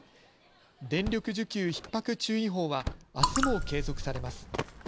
電力需給ひっ迫注意報はあすも継続されます。